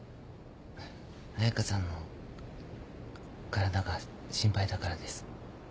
彩佳さんの体が心配だからです。